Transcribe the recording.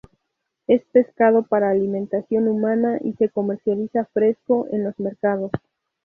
Es pescado para alimentación humana y se comercializa fresco en los mercados.